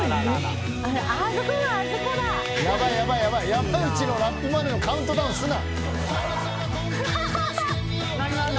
山内のラップまでのカウントダウンすな。